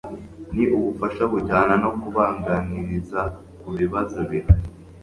Ni ubufasha bujyana no kubaganiriza ku bibazo bihari